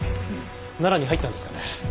奈良に入ったんですかね？